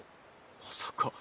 まさか。